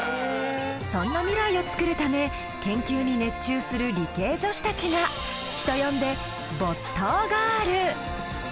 そんな未来をつくるため研究に熱中する理系女子たちが人呼んで没頭ガール。